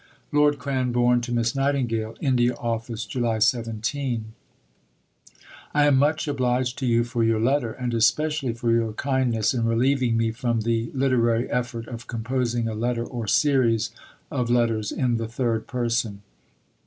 (Lord Cranborne to Miss Nightingale.) INDIA OFFICE, July 17. I am much obliged to you for your letter; and especially for your kindness in relieving me from the literary effort of composing a letter or series of letters in the third person.